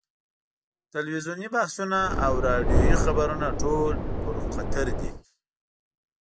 تلویزیوني بحثونه او راډیویي خبرونه ټول پر قطر دي.